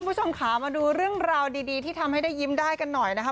คุณผู้ชมค่ะมาดูเรื่องราวดีที่ทำให้ได้ยิ้มได้กันหน่อยนะคะ